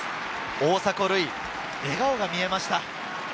大迫塁、笑顔が見えました。